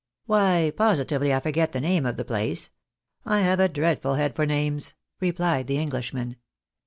" Why positively I forget the name of the place. I have a dreadful head for names," rephed the Englishman.